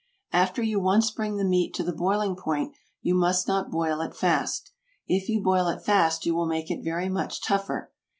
After you once bring the meat to the boiling point you must not boil it fast; if you boil it fast you will make it very much tougher.